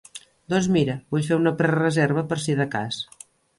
Doncs mira, vull fer una prereserva per si de cas.